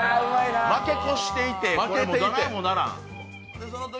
負け越していて、どないもならん。